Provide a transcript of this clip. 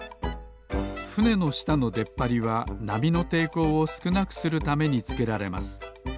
ふねのしたのでっぱりはなみのていこうをすくなくするためにつけられます。